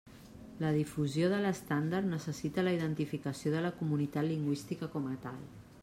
La difusió de l'estàndard necessita la identificació de la comunitat lingüística com a tal.